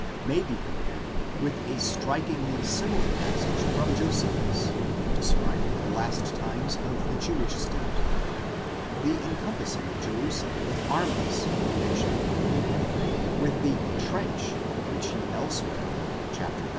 may be compared with a strikingly similar passage from Josephus, describing the last times of the Jewish state ;7 the encompassing of Jerusalem with armies, mentioned by Luke, with the french, xapagé, which he elsewhere (xix.